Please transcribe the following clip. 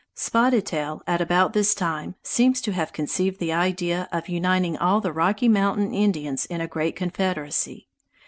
Spotted Tail at about this time seems to have conceived the idea of uniting all the Rocky Mountain Indians in a great confederacy.